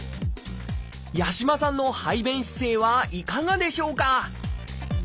八嶋さんの排便姿勢はいかがでしょうか？